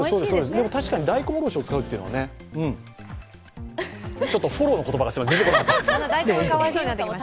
確かに大根おろしを使うというのはねフォローの言葉が出てこなかった。